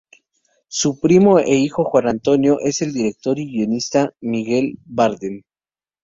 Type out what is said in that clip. Su primo e hijo de Juan Antonio es el director y guionista Miguel Bardem.